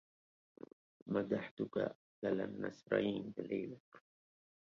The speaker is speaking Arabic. مدحتك أكلأ النسرين ليلي